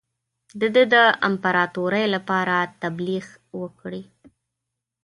د ده د امپراطوری لپاره تبلیغ وکړي.